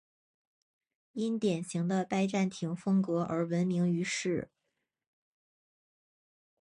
因典型的拜占庭风格而闻名于世。